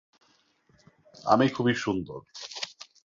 আমি খুবই সুন্দর।